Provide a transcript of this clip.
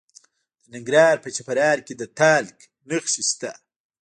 د ننګرهار په چپرهار کې د تالک نښې شته.